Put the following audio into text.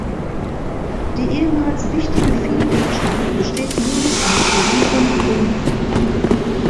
Die ehemals wichtige Viehwirtschaft besteht nur noch in kleinerem Umfang.